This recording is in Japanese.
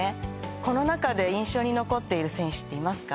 この中で印象に残っている選手っていますか？